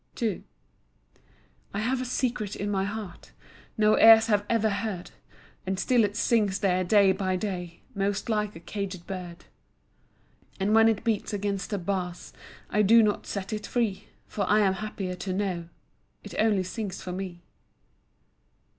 II I have a secret in my heart No ears have ever heard, And still it sings there day by day Most like a caged bird. And when it beats against the bars, I do not set it free, For I am happier to know It only sings for me.